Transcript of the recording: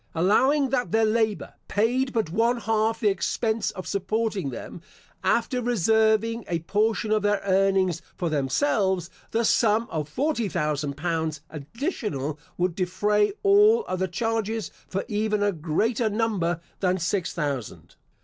Allowing that their labour paid but one half the expense of supporting them, after reserving a portion of their earnings for themselves, the sum of forty thousand pounds additional would defray all other charges for even a greater number than six thousand.